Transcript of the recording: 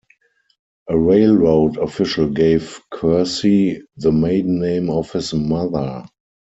A railroad official gave Kersey the maiden name of his mother.